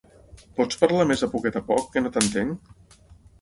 Pots parlar més a poquet a poc, que no t'entenc?